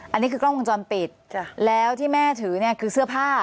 อันนี้คือกล้องวงจรปิดแล้วที่แม่ถือเนี่ยคือเสื้อผ้า